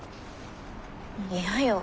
嫌よ。